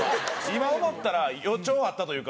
今思ったら予兆あったというか。